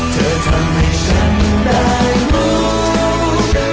เธอทำให้ฉันได้รู้